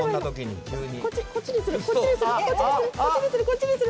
こっちにする。